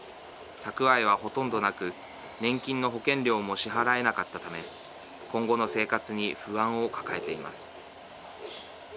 蓄えはほとんどなく年金の保険料も支払えなかったため今後の生活に不安を抱えています。